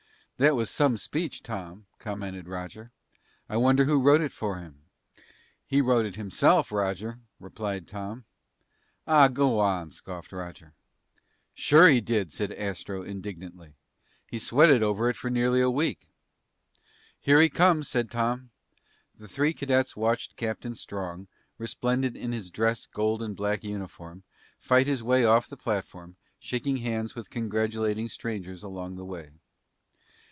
"That was some speech, Tom," commented Roger. "I wonder who wrote it for him?" "He wrote it himself, Roger," replied Tom. "Ah, go on," scoffed Roger. "Sure he did," said Astro indignantly. "He sweated over it for nearly a week." "Here he comes," said Tom. The three cadets watched Captain Strong, resplendent in his dress gold and black uniform, fight his way off the platform, shaking hands with congratulating strangers along the way.